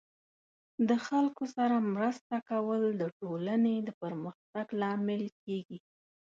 د خلکو سره مرسته کول د ټولنې د پرمختګ لامل کیږي.